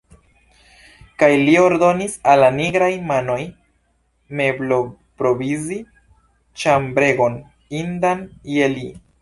Kaj li ordonis al la nigraj manoj mebloprovizi ĉambregon, indan je li.